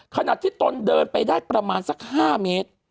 ขณะที่ตนเดินไปได้ประมาณสัก๕เมตร